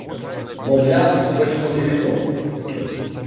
Мовляв, точно невідомо